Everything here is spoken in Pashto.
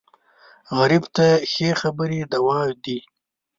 غریب ته ښې خبرې دوا دي